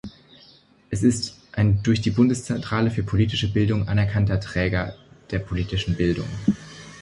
Es ist ein durch die Bundeszentrale für politische Bildung anerkannter Träger der Politischen Bildung.